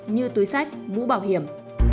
như túi sách mũ bảo hiểm